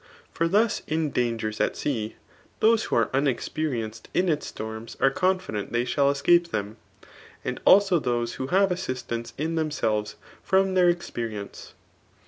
For thus in dangers at sea, those who are unexperienced in its stonas are QSnfident they shall escape them; and also those who have ss6i$tance in themselves from their experience.